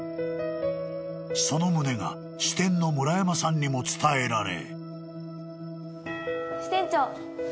［その旨が支店の村山さんにも伝えられ］